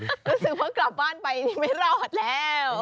รู้สึกว่ากลับบ้านไปนี่ไม่รอดแล้ว